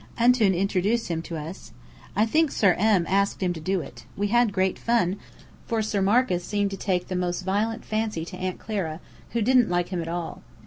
Antoun introduced him to us. I think Sir M. asked him to do it. We had great fun, for Sir Marcus seemed to take the most violent fancy to Aunt Clara, who didn't like him at all.